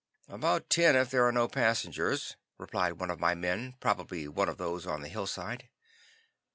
"About ten, if there are no passengers," replied one of my men, probably one of those on the hillside.